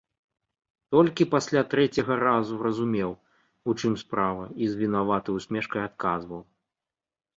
Толькі пасля трэцяга разу разумеў, у чым справа, і з вінаватай усмешкай адказваў.